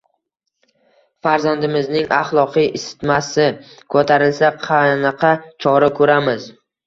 Farzandimizning axloqiy isitmasi ko‘tarilsa, qanaqa chora ko‘ramiz!